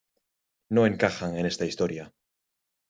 no encajan en esta historia.